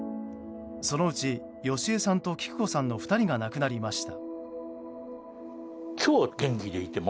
そのうち芳枝さんと貴久子さんの２人が亡くなりました。